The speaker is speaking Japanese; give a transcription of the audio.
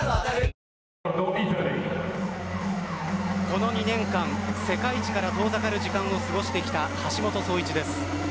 この２年間、世界一から遠ざかる時間を過ごしてきた橋本壮市です。